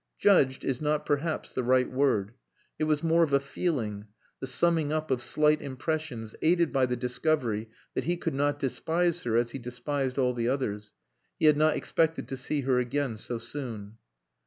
"Judged" is not perhaps the right word. It was more of a feeling, the summing up of slight impressions aided by the discovery that he could not despise her as he despised all the others. He had not expected to see her again so soon.